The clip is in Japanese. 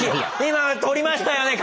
今撮りましたよね